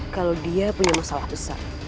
kalau dia punya masalah besar